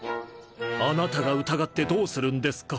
あなたが疑ってどうするんですか。